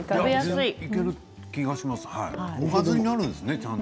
いける気がします。